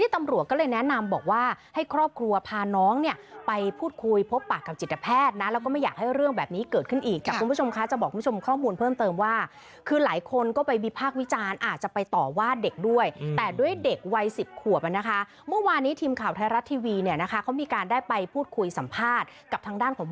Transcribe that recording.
แตกตื่นตกใจว่ามันเกิดอะไรขึ้น